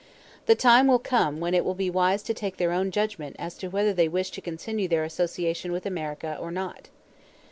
The time will come when it will be wise to take their own judgment as to whether they wish to continue their association with America or not.